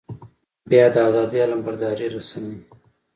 بيا د ازادۍ علمبردارې رسنۍ.